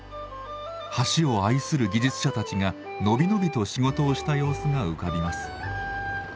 橋を愛する技術者たちが伸び伸びと仕事をした様子が浮かびます。